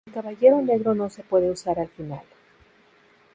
El Caballero Negro no se puede usar al final.